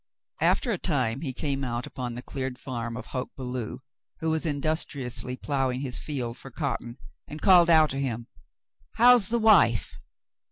After a time he came out upon the cleared farm of Hoke Belew, who was industriously ploughing his field for cotton, and called out to him, "How's the wife?'